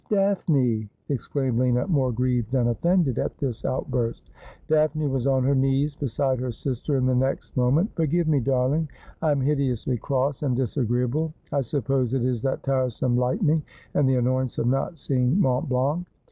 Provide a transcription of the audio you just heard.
' Daphne !' exclaimed Lina, more grieved than offended at this outburst. Daphne was on her knees beside her sister in the next moment. ' Forgive me, darling, I am hideously cross and disagreeable. I suppose it is that tiresome lightning and the annoyance of not seeing Mont Blanc.